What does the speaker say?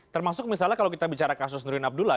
termasuk misalnya kalau kita bicara kasus nurin abdullah